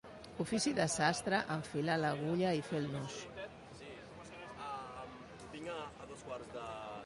Ofici de sastre, enfilar l'agulla i fer el nus.